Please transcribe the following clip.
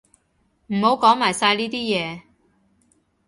唔好講埋晒呢啲嘢